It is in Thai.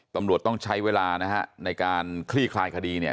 ตำรวจต้องใช้เวลานะฮะในการคลี่คลายคดีเนี่ย